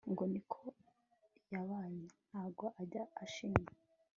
ngo niko yabaye ntago ajya ashima